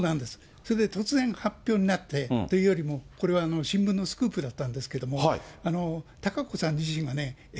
それで突然発表になってというよりも、これは新聞のスクープだったんですけれども、貴子さん自身がね、え？